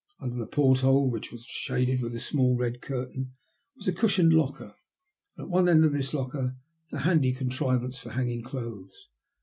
Under the porthole, which was shaded with a small red curtain, was a cushioned locker, and at one end of this locker a handy contri vance for hanging clothes.